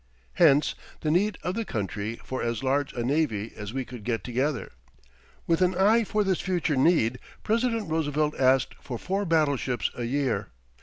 Hence, the need of the country for as large a navy as we could get together. With an eye for this future need President Roosevelt asked for 4 battleships a year.